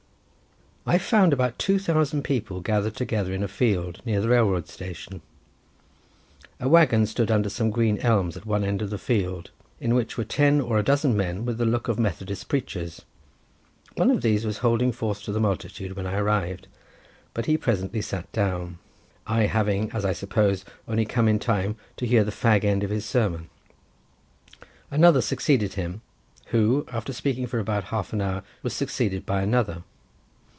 I found about two thousand people gathered together in a field near the railroad station; a waggon stood under some green elms at one end of the field, in which were ten or a dozen men with the look of Methodist preachers; one of these was holding forth to the multitude when I arrived, but he presently sat down, I having, as I suppose, only come in time to hear the fag end of his sermon. Another succeeded him, who, after speaking for about half an hour, was succeeded by another.